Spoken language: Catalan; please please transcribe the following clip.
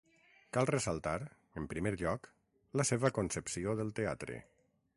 Cal ressaltar, en primer lloc, la seva concepció del teatre.